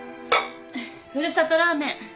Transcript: ふるさとラーメン